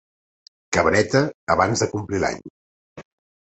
Cabreta abans de complir l'any.